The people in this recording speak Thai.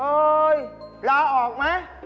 อูยลาออกแม่